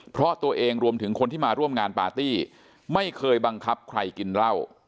เพราะตัวเองรวมถึงคนที่มาร่วมงานปาร์ตี้ไม่เคยบังคับใครกินเหล้า